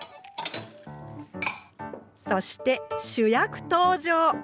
そして主役登場！